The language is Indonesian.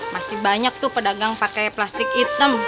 masih banyak tuh pedagang pakai plastik hitam